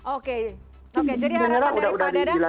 oke oke jadi harapnya